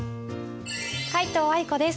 皆藤愛子です。